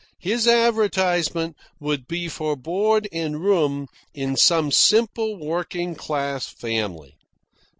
His advertisement would be for board and room in some simple working class family.